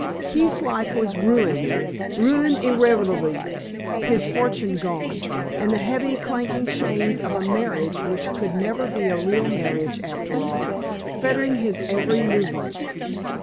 Keith's life was ruined ruined irretrievably, his fortune gone, and the heavy, clanking chains of a marriage which could never be a real marriage, after all, fettering his every movement.